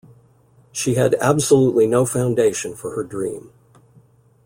She had absolutely no foundation for her dream.